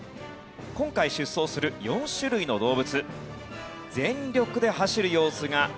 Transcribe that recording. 今回出走する４種類の動物全力で走る様子がこちらです。